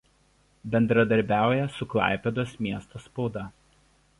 Bendradarbiauja su Klaipėdos miesto spauda.